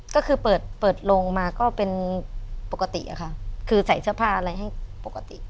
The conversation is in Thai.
ก็คือเปิดเปิดลงมาก็เป็นปกติอะค่ะคือใส่เสื้อผ้าอะไรให้ปกติ